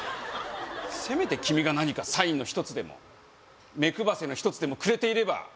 せめて君が何かサインの１つでも目配せの１つでもくれていれば